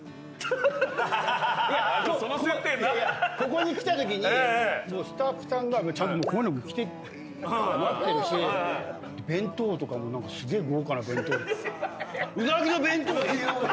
ここに来たときにスタッフさんがこういうのも着て待ってるし弁当とかもすげぇ豪華な弁当。